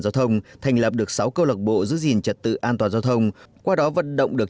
giao thông thành lập được sáu câu lạc bộ giữ gìn trật tự an toàn giao thông qua đó vận động được